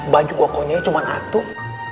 baju gua konyanya cuma atuh